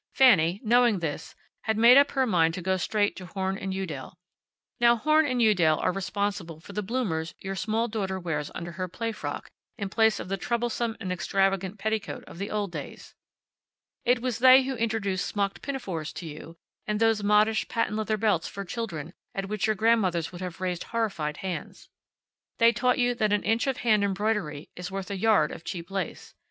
Fanny, knowing this, had made up her mind to go straight to Horn & Udell. Now, Horn & Udell are responsible for the bloomers your small daughter wears under her play frock, in place of the troublesome and extravagant petticoat of the old days. It was they who introduced smocked pinafores to you; and those modish patent leather belts for children at which your grandmothers would have raised horrified hands. They taught you that an inch of hand embroidery is worth a yard of cheap lace.